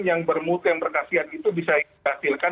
yang bermutu yang berkasihan itu bisa dihasilkan